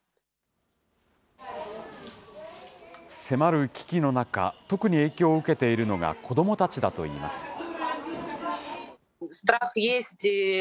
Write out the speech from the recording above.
迫る危機の中、特に影響を受けているのが、子どもたちだといいます。